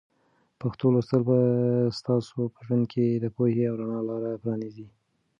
پښتو لوستل به ستاسو په ژوند کې د پوهې او رڼا لاره پرانیزي.